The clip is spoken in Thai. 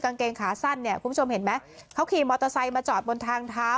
กางเกงขาสั้นเนี่ยคุณผู้ชมเห็นไหมเขาขี่มอเตอร์ไซค์มาจอดบนทางเท้า